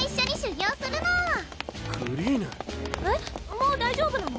もう大丈夫なの？